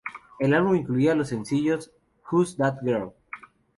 El álbum incluía los sencillos ""Who's That Girl?